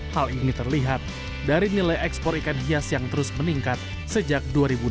hal ini terlihat dari nilai ekspor ikan hias yang terus meningkat sejak dua ribu dua puluh